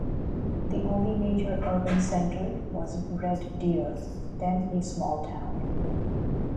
The only major urban centre was Red Deer, then a small town.